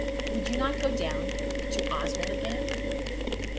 Would you not go down to Oswald again?"